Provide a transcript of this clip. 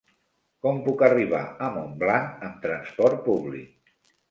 Com puc arribar a Montblanc amb trasport públic?